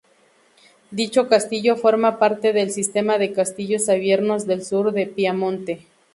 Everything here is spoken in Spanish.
Dicho castillo forma parte del sistema de "Castillos Abiertos" del sur de Piamonte.